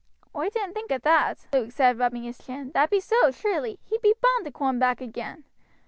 "Oi didn't think of that," Luke said, rubbing his chin. "That be so, surely. He'd be bound to coom back agin.